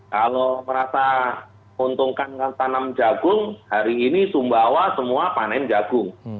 kalau merasa untungkan menanam jagung hari ini sumbawa semua panen jagung